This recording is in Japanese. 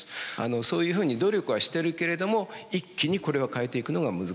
そういうふうに努力はしているけれども一気にこれは変えていくのが難しい。